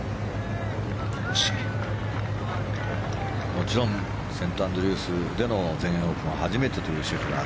もちろんセントアンドリュースでの全英オープンは初めてというシェフラー。